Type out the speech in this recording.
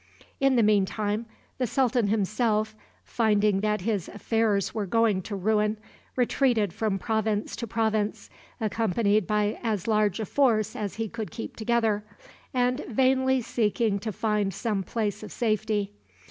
In the mean time, the sultan himself, finding that his affairs were going to ruin, retreated from province to province, accompanied by as large a force as he could keep together, and vainly seeking to find some place of safety.